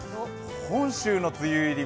本州の梅雨入り